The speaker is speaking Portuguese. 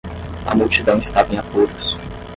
A multidão estava em apuros.